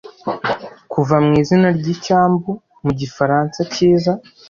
kuva mwizina ryicyambu mugifaransa cyiza